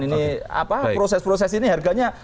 ini apa proses proses ini harganya